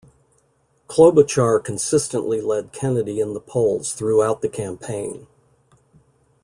Klobuchar consistently led Kennedy in the polls throughout the campaign.